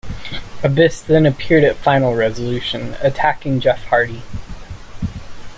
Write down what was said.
Abyss then appeared at Final Resolution, attacking Jeff Hardy.